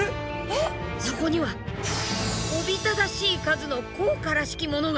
そこにはおびただしい数の硬貨らしきものが。